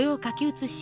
写し